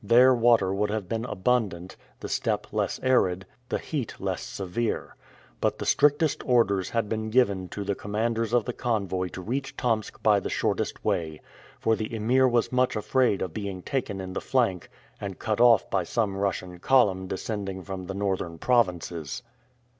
There water would have been abundant, the steppe less arid, the heat less severe. But the strictest orders had been given to the commanders of the convoy to reach Tomsk by the shortest way, for the Emir was much afraid of being taken in the flank and cut off by some Russian column descending from the northern provinces.